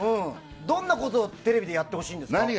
どんなことをテレビでやってほしいんですか。